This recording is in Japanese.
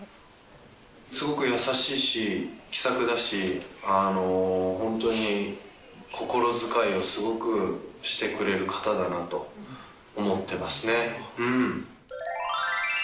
すごく優しいし、気さくだし、本当に心遣いをすごくしてくれる方だなと思ってますね。